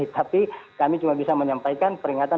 tapi kami cuma bisa menyampaikan peringatan